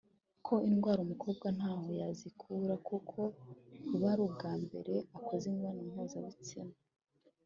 ko indwara umukobwa ntaho yazikura kuko buba ari ubwa mbere akoze imibonano mpuzabitsina